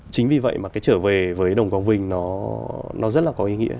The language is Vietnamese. chính vì vậy mà cái trở về với đồng quang vinh nó rất là có ý nghĩa